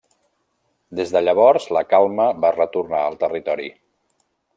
Des de llavors la calma va retornar al territori.